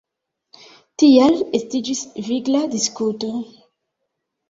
Tial estiĝis vigla diskuto.